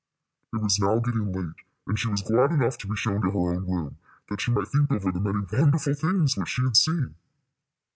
It was now getting late, and she was glad enough to be shown to her own room, that she might think over the many wonderful things which she had seen.